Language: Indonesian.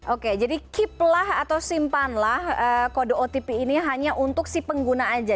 oke jadi keep lah atau simpanlah kode otp ini hanya untuk si pengguna aja